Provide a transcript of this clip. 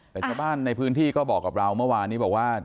แต่ชาวบ้านในพื้นที่ก็บอกกับเราเมื่อวานนี้บอกว่า